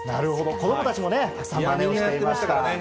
子どもたちもね、たくさんまねをしていましたからね。